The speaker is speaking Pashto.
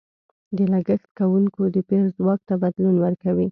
د لګښت کوونکو د پېر ځواک ته بدلون ورکوي.